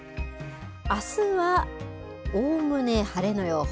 あすはおおむね晴れの予報。